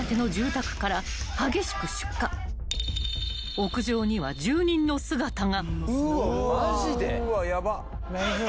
［屋上には住人の姿が］